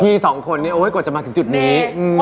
พี่สองคนนี้กดจำมันจุดนี้